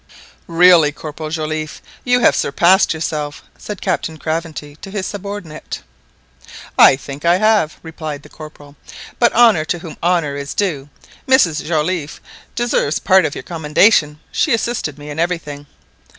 "Really, Corporal Joliffe, you have surpassed yourself !" said Captain Craventy to his subordinate. "I think I have, I think I have !" replied the Corporal; "but honour to whom honour is due, Mrs Joliffe deserves part of your commendation; she assisted me in everything."